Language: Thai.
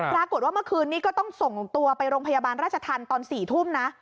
ปรากฏว่าเมื่อคืนนี้ก็ต้องส่งตัวไปโรงพยาบาลราชธรรมตอน๔ทุ่มนะ